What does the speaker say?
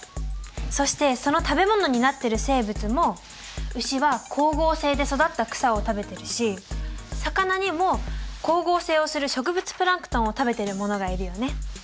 そしてその食べ物になってる生物もウシは光合成で育った草を食べてるし魚にも光合成をする植物プランクトンを食べてるものがいるよね。